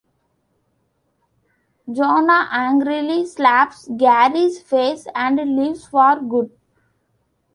Joanna angrily slaps Garry's face and leaves for good.